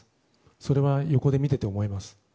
それは横で見ていて思います。